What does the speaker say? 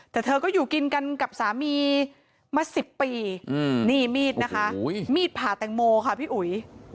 แต่เธอก็อยู่กินกันกับสามีมา๑๐ปีนี่มีดนะคะมีดผ่าแตงโมค่ะพี่อุ๋ย